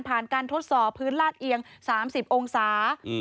การทดสอบพื้นลาดเอียง๓๐องศา